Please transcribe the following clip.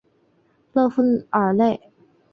勒富尔内。